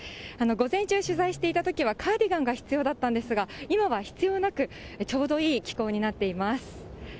午前中、取材していたときは、カーディガンが必要だったんですが、今は必要なく、ちょうどいい気候になっています。